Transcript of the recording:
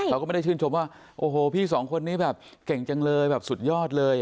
เขาก็ไม่ได้ชื่นชมว่าโอ้โหพี่สองคนนี้แบบเก่งจังเลยแบบสุดยอดเลย